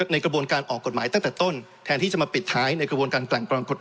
ในกระบวนการออกกฎหมายตั้งแต่ต้นแทนที่จะมาปิดท้ายในกระบวนการ